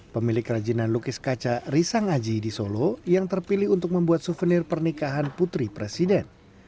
pemilik kerajinan lukis kaca risan aji di solo yang terpilih untuk membuat souvenir pernikahan putri presiden